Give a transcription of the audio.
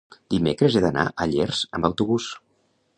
dimecres he d'anar a Llers amb autobús.